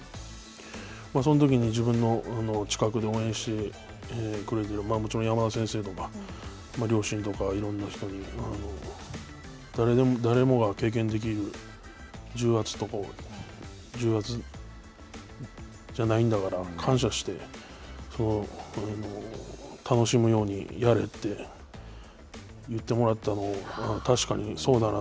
そのときに自分の近くで応援してくれている、もちろん山田先生とか両親とかいろんな人に誰もが経験できる重圧とかも重圧じゃないんだから、感謝して、楽しむようにやれって言ってもらったのが確かにそうだなと。